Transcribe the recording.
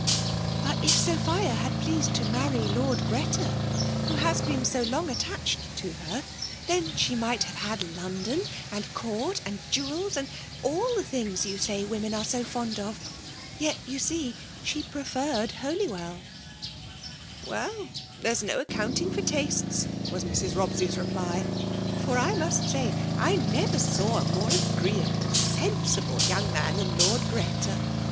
But if Sophia had pleased to marry Lord Greta, who has been so long attached to her, then she might have had London, and court, and jewels, and all the things you say women are so fond of, — yet, you see, she preferred HolyweU r " Well — there is no accounting for tastes," was Mrs. Robscy's reply, " for I must say I never saw a more agreeable, sensible young man than Lord Greta.